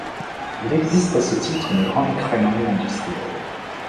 Il existe à ce titre une grande crèmerie industrielle.